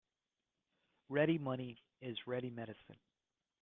Ready money is ready medicine.